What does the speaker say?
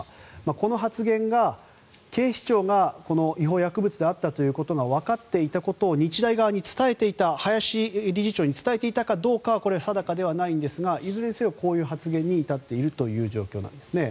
この発言が警視庁がこの違法薬物であることがわかっていたことを日大側に伝えていた林理事長に伝えていたかどうかはこれは定かではないんですがいずれにしろこういう発言に至っているという状況なんですね。